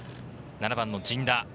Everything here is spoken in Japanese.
７番・陣田。